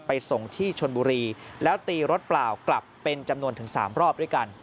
ไปส่งที่ชนบุรีแล้วตีรถเปล่ากลับเป็นจำนวนถึง๓รอบด้วยกัน